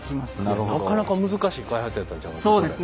なかなか難しい開発やったんちゃいます？